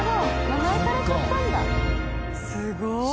すごーい！